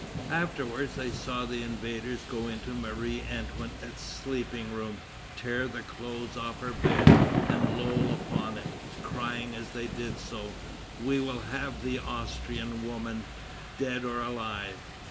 Afterwards they saw the invaders go into Marie Antoinette's sleeping room, tear the clothes off her bed, and loll upon it, crying as they did so, "We will have the Austrian woman, dead or alive!"